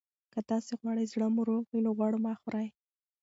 که تاسي غواړئ زړه مو روغ وي، نو غوړ مه خورئ.